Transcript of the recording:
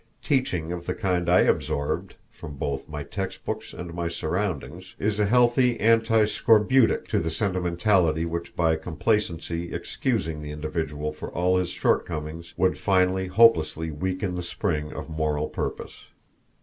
Teaching of the kind I absorbed from both my text books and my surroundings is a healthy anti scorbutic to the sentimentality which by complacently excusing the individual for all his shortcomings would finally hopelessly weaken the spring of moral purpose.